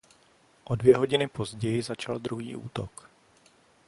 O dvě hodiny později začal druhý útok.